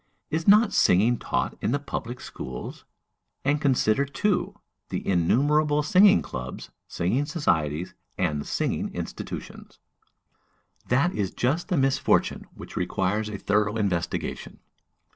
"Is not singing taught in the public schools? And consider, too, the innumerable singing clubs, singing societies, and singing institutions!" That is just the misfortune which requires a thorough investigation.